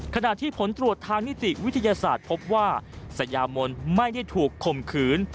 ขณะที่ผลตรวจทางนิติวิทยาศาสตร์พบว่าสยามนไม่ได้ถูกข่มขืน